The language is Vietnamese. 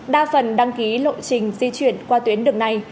đa phần đăng ký lộ trình di chuyển qua tuyến đường này